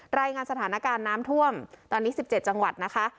รายงานสถานการณ์น้ำท่วมตอนนี้๑๗จังหวัดนะคะ